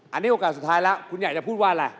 อันนี้โอกาสสุดท้ายแล้วคุณอยากจะพูดว่าอะไร